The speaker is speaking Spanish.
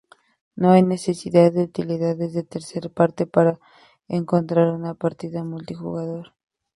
No hay necesidad de utilidades de terceras partes para encontrar una partida multijugador.